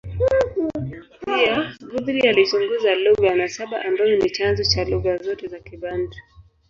Pia, Guthrie alichunguza lugha ya nasaba ambayo ni chanzo cha lugha zote za Kibantu.